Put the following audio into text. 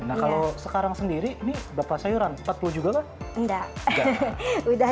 nah kalau sekarang sendiri ini berapa sayuran empat puluh juga kak